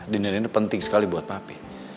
dinner ini penting sekali buat pape